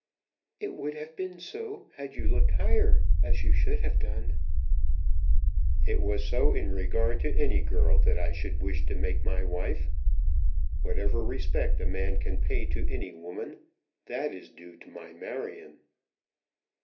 "It would have been so, had you looked higher, as you should have done." "It was so in regard to any girl that I should wish to make my wife. Whatever respect a man can pay to any woman, that is due to my Marion."